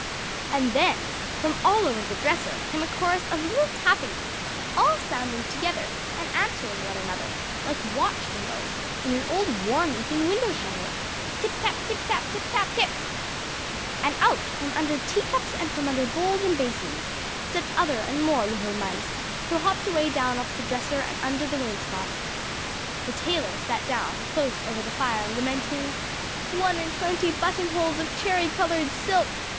And then from all over the dresser came a chorus of little tappings, all sounding together, and answering one another, like watch beetles in an old worm eaten window shutter Tip tap, tip tap, tip tap tip! And out from under tea cups and from under bowls and basins, stepped other and more little mice who hopped away down off the dresser and under the wainscot. The tailor sat down, close over the fire, lamenting "One and twenty button holes of cherry coloured silk!